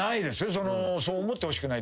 そう思ってほしくない。